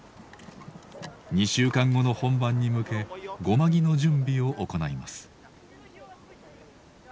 ２週間後の本番に向け護摩木の準備を行います。